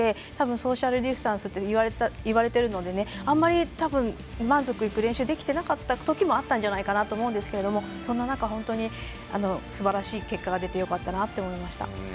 ソーシャルディスタンスといわれているので多分、あまり満足いく練習ができてないときもあったんじゃないかと思いますがそんな中、すばらしい結果が出てよかったなと思います。